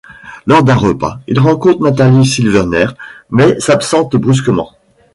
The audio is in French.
Lors d'un repas, il rencontre Nathalie Silvener, mais s'absente brusquement.